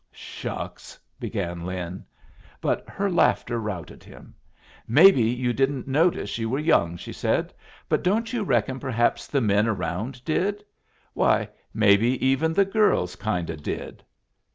"Shucks!" began Lin. But her laughter routed him. "Maybe you didn't notice you were young," she said. "But don't you reckon perhaps the men around did? Why, maybe even the girls kind o' did!"